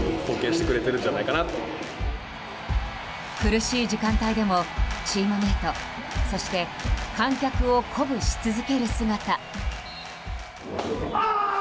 苦しい時間帯でもチームメートそして、観客を鼓舞し続ける姿。